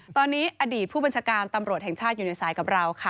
ตอนนี้อดีตผู้บัญชาการตำรวจแห่งชาติอยู่ในสายกับเราค่ะ